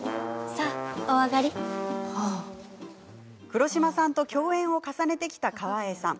黒島さんと共演を重ねてきた川栄さん。